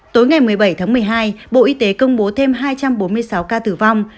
tối ngày một mươi bảy tháng một mươi hai bộ y tế công bố thêm hai trăm bốn mươi sáu ca tử vong